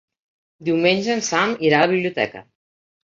Diumenge en Sam irà a la biblioteca.